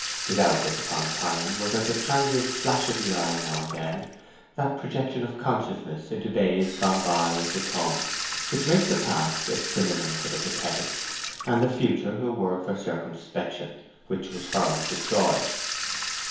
His outlook upon time was as a transient flash of the eye now and then: that projection of consciousness into days gone by and to come, which makes the past a synonym for the pathetic and the future a word for circumspection, was foreign to Troy.